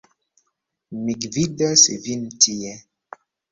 Mi gvidos vin tie.